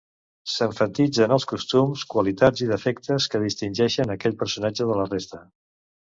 S'emfatitzen els costums, qualitats i defectes que distingeixen aquell personatge de la resta.